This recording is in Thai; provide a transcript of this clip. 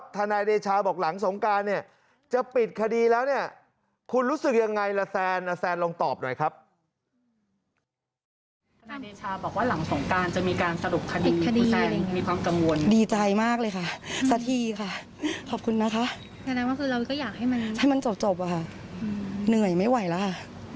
แปลว่าคือเรายากให้มันให้มันจบอะคะเหนื่อยไม่ไหวแล้ว